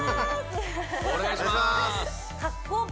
お願いします